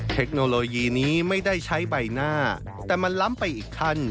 เทคโนโลยีนี้ไม่ได้ใช้ใบหน้าแต่มันล้ำไปอีกขั้น